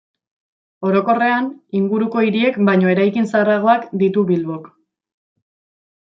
Orokorrean, inguruko hiriek baino eraikin zaharragoak ditu Bilbok.